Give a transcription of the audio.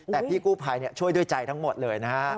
แต่พี่กู้ภัยช่วยด้วยใจทั้งหมดเลยนะฮะ